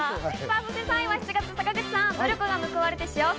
そして３位は７月坂口さん。